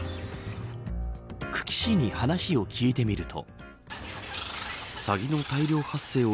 久喜市に話を聞いてみると。